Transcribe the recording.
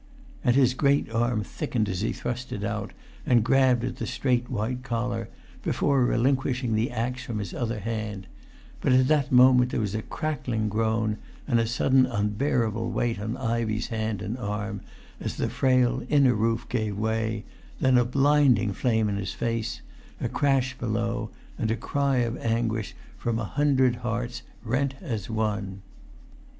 And his great arm thickened as he thrust it out, and grabbed at the straight white collar, before relinquishing the axe from his other hand; but at that moment there was a crackling groan, and a sudden unbearable weight on Ivey's hand and arm, as the frail inner roof gave way; then a blinding flame in his face, a crash below, and a cry of anguish from a hundred hearts rent as one.